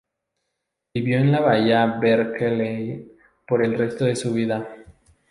Vivió en la Bahía Berkeley por el resto de su vida.